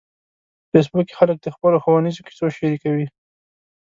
په فېسبوک کې خلک د خپلو ښوونیزو کیسو شریکوي